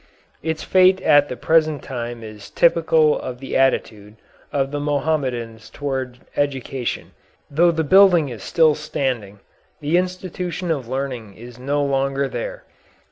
Its fate at the present time is typical of the attitude of the Mohammedans towards education. Though the building is still standing, the institution of learning is no longer there.